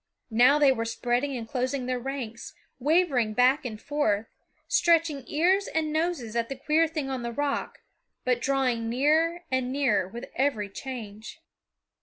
Now they were spreading and closing their ranks, wavering back and forth, stretching ears and noses at the queer thing on the rock, but drawing nearer and nearer with every change.